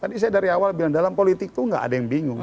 tadi saya dari awal bilang dalam politik tuh gak ada yang bingung